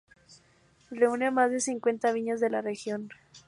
Reúne a más de cincuenta viñas de la región.